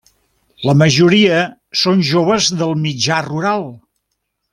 La majoria són joves del mitjà rural.